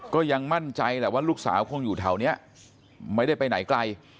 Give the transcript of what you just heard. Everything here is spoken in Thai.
ก็ยังมั่นใจแหละว่าลูกสาวคงอยู่แถวนี้ไม่ได้ไปไหนไกล